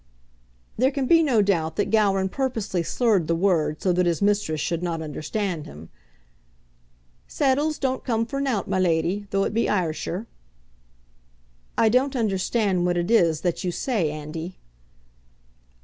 There can be no doubt that Gowran purposely slurred the word so that his mistress should not understand him. "Seddles don't come for nowt, my leddie, though it be Ayrshire." "I don't understand what it is that you say, Andy."